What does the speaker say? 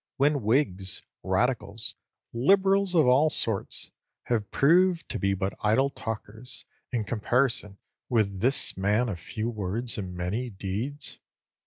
When whigs, radicals, liberals of all sorts, have proved to be but idle talkers, in comparison with this man of few words and many deeds?"